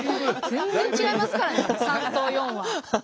全然違いますからね３と４は。